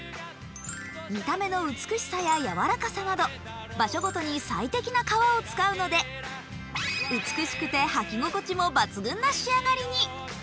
見た目の美しさややわらかさなど場所ごとに最適な革を使うので、美しくて履き心地も抜群な仕上がりに。